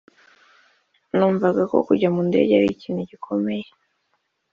numvaga ko kujya mu ndege ari ikintu gikomeye